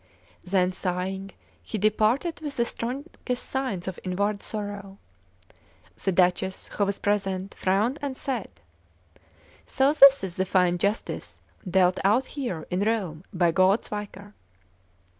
Then, sighing, he departed with the strongest signs of inward sorrow. The Duchess, who was present, frowned and said: "So this is the fine justice dealt out here in Rome by God's Vicar!